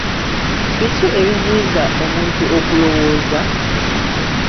Biki ebiziyiza omuntu okulowooza?